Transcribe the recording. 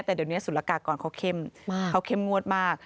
แต่เดี๋ยวนี้ศูนยากากรเขาเข้มงวดมาก